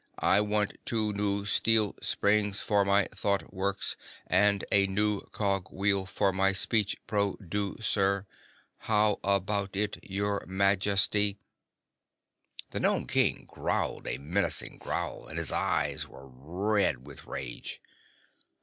I want two new steel springs for my thought works and a new cog wheel for my speech pro du cer. How a bout it, your Maj es ty?" The Nome King growled a menacing growl and his eyes were red with rage.